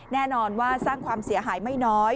แน่นอนว่าสร้างความเสียหายไม่น้อย